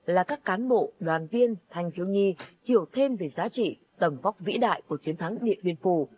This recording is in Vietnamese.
là các cán bộ đoàn viên thanh thiếu nhi hiểu thêm về giá trị tầm vóc vĩ đại của chiến thắng điện biên phủ